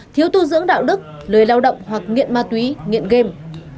thiếu tu dưỡng đạo đức lười lao động hoặc nghiện ma túy nghiện game